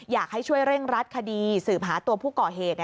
อยากให้ช่วยเร่งรัดคดีสืบหาตัวผู้ก่อเหตุ